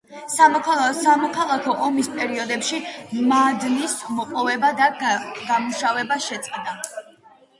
სამოქალაქო ომის პერიოდში მადნის მოპოვება და გადამუშავება შეწყდა.